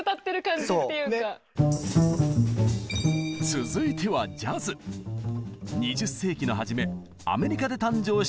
続いては２０世紀の初めアメリカで誕生したジャズ。